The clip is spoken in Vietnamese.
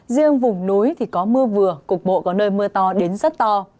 riêng vùng núi thì có mưa vừa cục bộ có nơi mưa to đến rất to